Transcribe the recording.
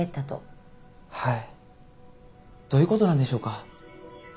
はいどういうことなんでしょうか。